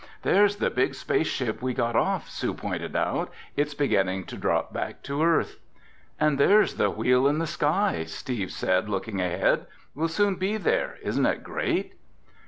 "There's the big space ship we got off," Sue pointed out. "It's beginning to drop back to Earth." "And there's the 'Wheel in the Sky,'" Steve said, looking ahead. "We'll soon be there! Isn't it great?"